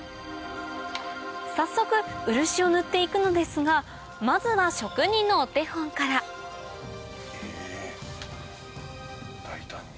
早速漆を塗って行くのですがまずは職人のお手本から大胆に。